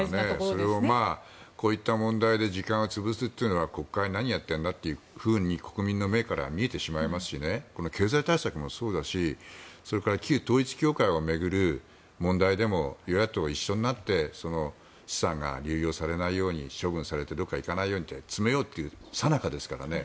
それをこういった問題で時間を潰すというのは国会、何をやってるんだというふうに国民の目から見えてしまいますし経済対策もそうだしそれから、旧統一教会を巡る問題でも与野党一緒になって資産が流用されないように処分されてどこかに行かないようにと詰めようというさなかですからね。